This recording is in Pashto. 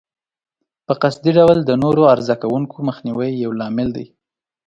په قصدي ډول د نورو عرضه کوونکو مخنیوی یو لامل دی.